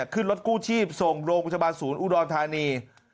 ขึ้นรถกู้ชีพส่งโรงพยาบาลศูนย์อุดรธานี